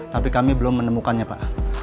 tapi kami belum menemukannya pak